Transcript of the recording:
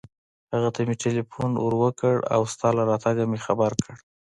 هغه ته مې ټېلېفون ور و کړ او ستا له راتګه مې خبر کړ.